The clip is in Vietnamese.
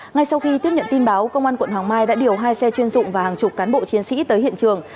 ngay sau khi tiếp nhận tin báo công an quận hoàng mai đã điều hai xe chuyên dụng và hàng chục cán bộ chiến sĩ tới hiện trường